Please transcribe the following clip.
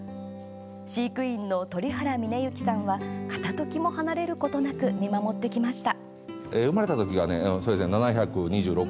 飼育員の鳥原峰幸さんは片ときも離れることなく見守ってきました。